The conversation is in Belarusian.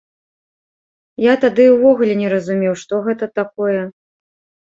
Я тады ўвогуле не разумеў, што гэта такое.